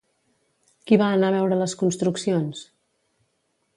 Qui va anar a veure les construccions?